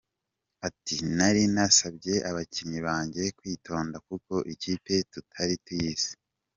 Ati “Nari nasabye abakinnyi banjye kwitonda kuko ikipe tutari tuyizi.